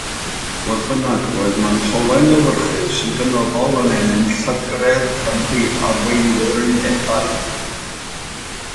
Fodd bynnag, roedd mantolen lewyrchus yn gynyddol yn ennyn llygredd ymhlith arweinwyr undebau.